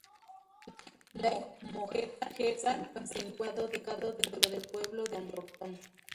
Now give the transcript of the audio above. Lake Mohegan se encuentra ubicado dentro del pueblo de Yorktown.